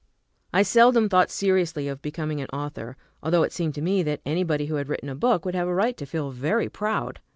I seldom thought seriously of becoming an author, although it seemed to me that anybody who had written a book would have a right to feel very proud.